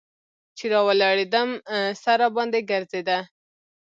چې راولاړېدم سر راباندې ګرځېده.